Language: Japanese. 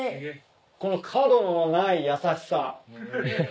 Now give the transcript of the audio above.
この角のない優しさ。